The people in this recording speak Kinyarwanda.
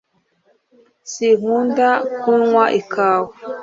Sinkunda kunywa ikawa.